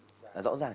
rõ ràng chúng ta thấy